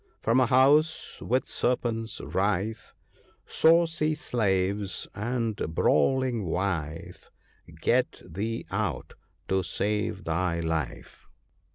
From a house with serpents rife, Saucy slaves and brawling wife — Get thee out, to save thy life."